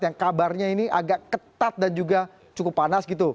yang kabarnya ini agak ketat dan juga cukup panas gitu